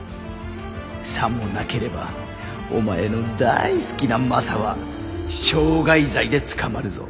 さもなければお前の大好きなマサは傷害罪で捕まるぞ。